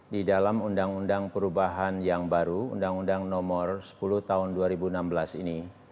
di dalam undang undang perubahan yang baru undang undang nomor sepuluh tahun dua ribu enam belas ini